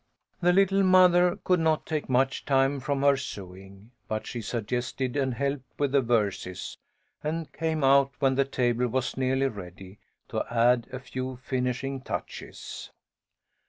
The little mother could not take much time from her sewing, but she suggested and helped with the verses, and came out when the table was nearly ready, to add a few finishing touches.